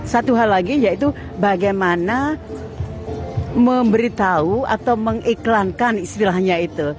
satu hal lagi yaitu bagaimana memberitahu atau mengiklankan istilahnya itu